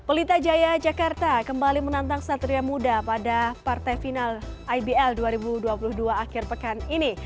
pelita jaya jakarta kembali menantang satria muda pada partai final ibl dua ribu dua puluh dua akhir pekan ini